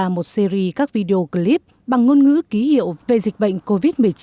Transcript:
tạo ra một series các video clip bằng ngôn ngữ ký hiệu về dịch bệnh covid một mươi chín